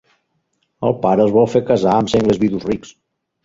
El pare els vol fer casar amb sengles vidus rics.